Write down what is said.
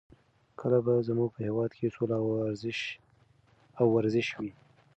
کله به زموږ په هېواد کې سوله او ورزش وي؟